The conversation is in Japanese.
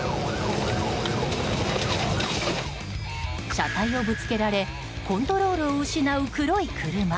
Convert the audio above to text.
車体をぶつけられコントロールを失う黒い車。